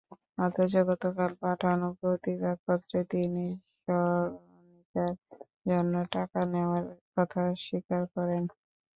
অথচ গতকাল পাঠানো প্রতিবাদপত্রে তিনি স্মরণিকার জন্য টাকা নেওয়ার কথা স্বীকার করেন।